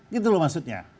gitu loh maksudnya